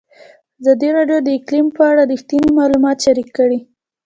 ازادي راډیو د اقلیم په اړه رښتیني معلومات شریک کړي.